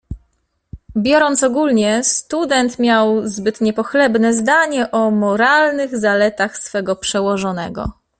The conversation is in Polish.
"Biorąc ogólnie, student miał zbyt niepochlebne zdanie o moralnych zaletach swego przełożonego."